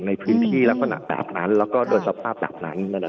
ในพื้นที่และขณะแบบนั้นและโดยสภาพแบบนั้น